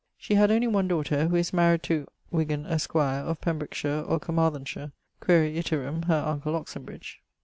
She had only one daughter ... who is maried to ... Wgan esq. of Pembrokeshire or Caermarthenshire quaere iterum her uncle Oxenbridge.